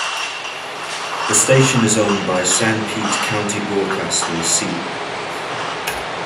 The station is owned by Sanpete County Broadcasting C.